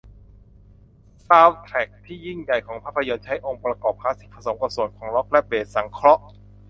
ซาวด์แทร็กที่ยิ่งใหญ่ของภาพยนตร์ใช้องค์ประกอบคลาสสิคผสมกับส่วนของร็อคและเบสสังเคราะห์